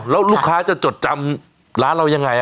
แล้วลูกค้าจะจดจำร้านเรายังไง